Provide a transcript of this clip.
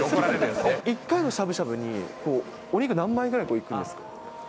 １回のしゃぶしゃぶにお肉何枚ぐらいいくんですか。